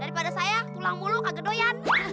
daripada saya pulang muluk agak doyan